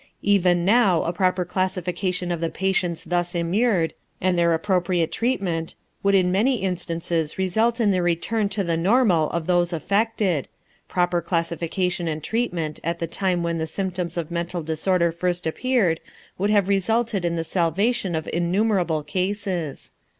Even now a proper classification of the patients thus immured, and their appropriate treatment, would in many instances result in the return to the normal of those affected; proper classification and treatment at the time when the symptoms of mental disorder first appeared would have resulted in the salvation of innumerable cases.